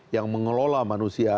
yang mengelola manusia